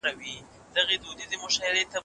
زموږ د كلي څخه ربه ښكلا كډه كړې